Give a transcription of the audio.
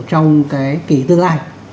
trong kỳ tương lai